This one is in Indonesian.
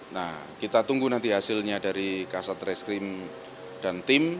nah kita tunggu nanti hasilnya dari kasat reskrim dan tim